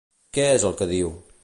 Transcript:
Què és el que diu?